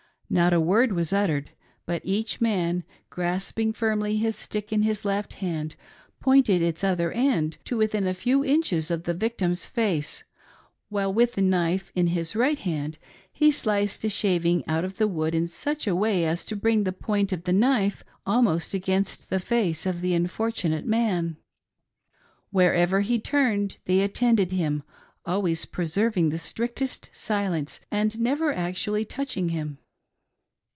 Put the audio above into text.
Not a word was uttered, but each man grasping iirmly his stick in THE APOTHEOSIS OF THE PROPHET JOSEPH. 30/ his left hand, pointed its other end to within a few inches of the victim's face, while with the knife in his right hand he sliced a shaving out of the wood in such a way as to bring the point of the knife almost against the face of the unfortunate man. Wherever he turned they attended him, always preserv ing the strictest silence, and never actually touching him.